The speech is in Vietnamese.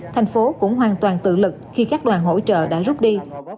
tp hcm cũng hoàn toàn tự lực khi các đoàn hỗ trợ đã rút đi